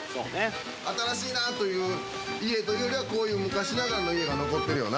新しいなぁという家というよりは昔ながらの家が残ってるよな。